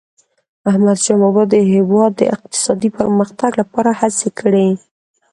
احمدشاه بابا د هیواد د اقتصادي پرمختګ لپاره هڅي کړي.